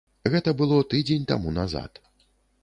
Гэта было тыдзень таму назад.